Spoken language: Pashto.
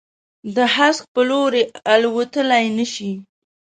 د هسک په لوري، الوتللای نه شي